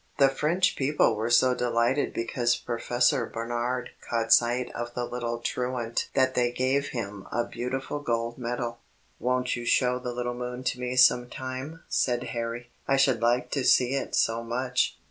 The French people were so delighted because Professor Barnard caught sight of the little truant that they gave him a beautiful gold medal." [Illustration: JUPITER AND HIS MOONS.] "Won't you show the little moon to me sometime?" said Harry. "I should like to see it so much."